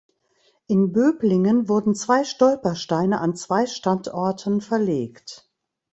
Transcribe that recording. In Böblingen wurden zwei Stolpersteine an zwei Standorten verlegt.